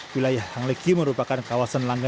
wilayah hang lekyu merupakan kawasan lainnya